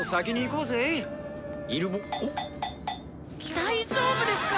大丈夫ですか？